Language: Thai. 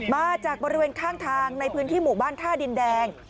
มาจากบริเวณข้างทางในพื้นที่หมู่บ้านท่าดินแดง